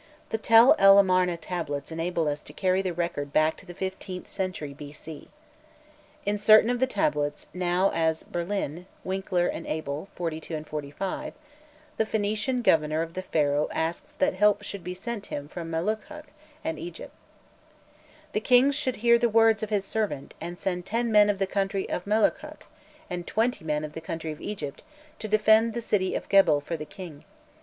The Tel el Amarna tablets enable us to carry the record back to the fifteenth century b.c. In certain of the tablets now as Berlin (Winckler and Abel, 42 and 45) the Phoenician governor of the Pharaoh asks that help should be sent him from Melukhkha and Egypt: "The king should hear the words of his servant, and send ten men of the country of Melukhkha and twenty men of the country of Egypt to defend the city [of Gebal] for the king."